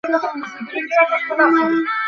কখন প্রথমে নাম ভুলে যাবো?